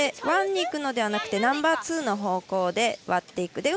ワンにいくのではなくてナンバーツーの方向で割っていく。